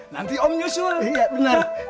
nanti om nyusul